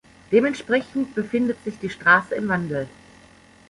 Dementsprechend befindet sich die Straße im Wandel.